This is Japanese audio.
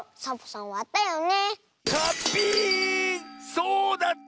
そうだった！